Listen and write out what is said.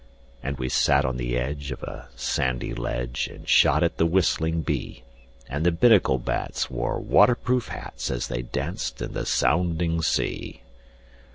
And we sat on the edge of a sandy ledge And shot at the whistling bee; And the Binnacle bats wore water proof hats As they danced in the sounding sea.